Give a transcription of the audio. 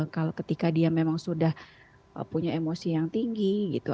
kalau ketika dia memang sudah punya emosi yang tinggi gitu